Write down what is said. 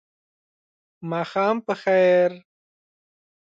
ماښام په خیر !